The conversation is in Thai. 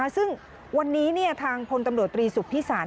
ซึ่งวันนี้ทางพลตำรวจตรีสุพิสาร